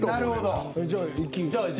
じゃあ。